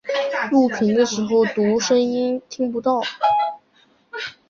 这段期间是荷兰省分系统非常混乱的时期。